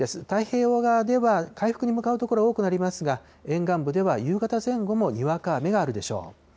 太平洋側では回復に向かう所、多くなりますが、沿岸部では夕方前後もにわか雨があるでしょう。